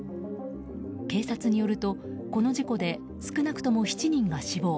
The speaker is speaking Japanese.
警察によるとこの事故で少なくとも７人が死亡。